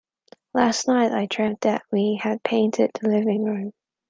Last night I dreamt that we had painted the living room.